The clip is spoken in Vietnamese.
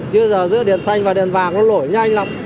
chứ giờ giữa đèn xanh và đèn vàng nó lỗi nhanh lắm